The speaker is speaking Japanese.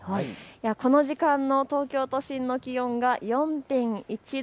この時間の東京都心の気温が４．１度。